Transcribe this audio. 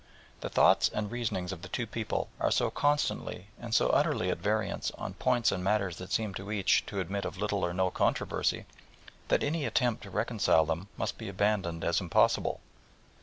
The thoughts and reasonings of the two peoples are so constantly and so utterly at variance on points and matters that seem to each to admit of little or no controversy, that any attempt to reconcile them must be abandoned as impossible.